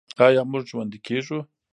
آیا موږ ژوندي کیږو؟